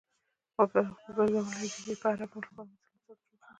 ورګرځولې!! دوی بيا د عربو لپاره ضرب المثل جوړ شو